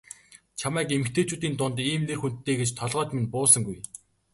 Чамайг эмэгтэйчүүдийн дунд ийм нэр хүндтэй гэж толгойд минь буусангүй.